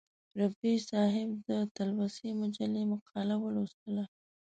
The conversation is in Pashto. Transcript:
رفیع صاحب د تلوسې مجلې مقاله ولوستله.